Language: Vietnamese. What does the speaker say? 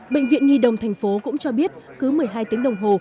bệnh viện nhi đồng tp hcm cũng cho biết cứ một mươi hai tiếng đồng hồ